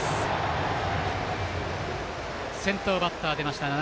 先頭バッター、出ました。